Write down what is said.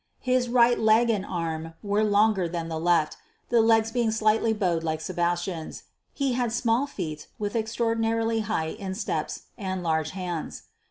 His right leg and arm were longer than the left, the legs being slightly bowed like Sebastian's. He had small feet with extraordinarily high insteps; and large hands.